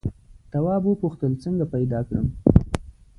تواب وپوښتل څنګه پیدا کړم.